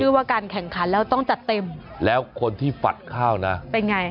ว่าการแข่งขันแล้วต้องจัดเต็มแล้วคนที่ฝัดข้าวนะเป็นไง